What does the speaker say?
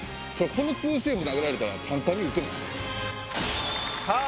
このツーシーム投げられたら簡単に打てないっすよさあ